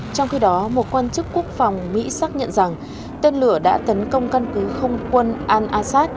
trong khi đó một quan chức quốc phòng mỹ xác nhận rằng tên lửa đã tấn công căn cứ không quân al assad